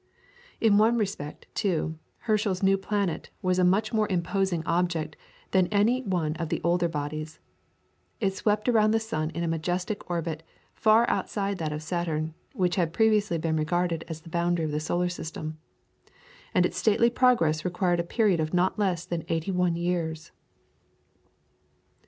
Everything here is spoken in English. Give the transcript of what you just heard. In one respect, too, Herschel's new planet was a much more imposing object than any one of the older bodies; it swept around the sun in a majestic orbit, far outside that of Saturn, which had previously been regarded as the boundary of the Solar System, and its stately progress required a period of not less than eighty one years.